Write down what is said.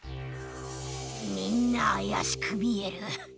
みんなあやしくみえる。